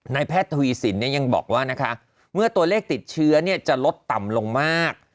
แพทย์ทวีสินยังบอกว่านะคะเมื่อตัวเลขติดเชื้อจะลดต่ำลงมาก